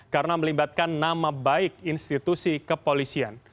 karena melibatkan nama baik institusi kepolisian